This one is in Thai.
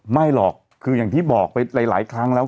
ไม่หรอกคืออย่างที่บอกไปหลายครั้งแล้ว